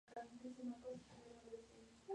Juntos proyectaron la Catedral de San Olaf de Oslo.